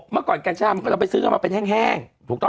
เมื่อก่อนกัญชามันก็จะไปซื้อให้มาเป็นแห้ง